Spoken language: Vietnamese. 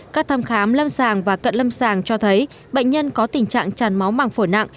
các thăm khám lâm sàng và cận lâm sàng cho thấy bệnh nhân có tình trạng chàn máu mảng phổ nặng